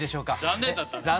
残念だったね。